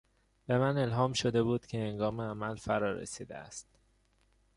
به من الهام شده بود که هنگام عمل فرارسیده است.